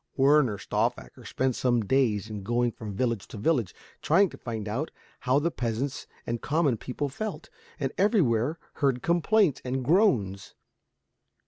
Werner Stauffacher spent some days in going from village to village, trying to find out how the peasants and common people felt, and everywhere heard complaints and groans.